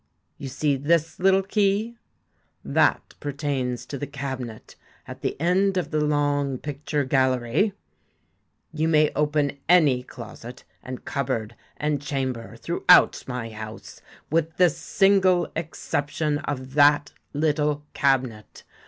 You see this little key ? that pertains to the cabinet at the end of the long picture gallery. You may open any closet and cupboard and chamber throughout my house, with the single exception of that little cabinet.